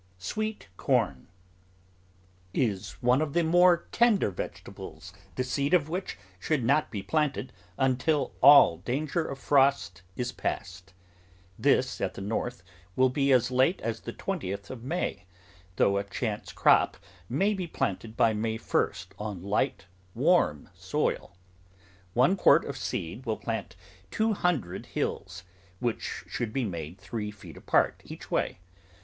SWEET CORN Is one of the more tender vegetables the seed of which should not be planted until all danger of frost is passed. This, at the North, will be as late as the twentieth of May, though a chance crop my be planted by May 1st on light, warm soil. One THE GROWING OF VARIOUS VEGETABLES quart of seed will plant two hundred hills, which should be made three feet apart each way.